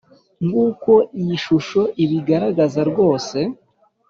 Nk uko iyi shusho ibigaragaza rwse